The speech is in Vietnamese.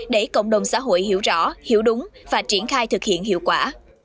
để cộng đồng xã hội hiểu rõ hiểu đúng và triển khai thực hiện hiệu quả